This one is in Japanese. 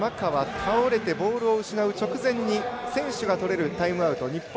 倒れてボールを失う直前に選手がとれるタイムアウト、日本